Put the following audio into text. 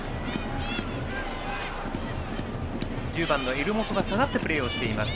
エルモソが下がってプレーしています。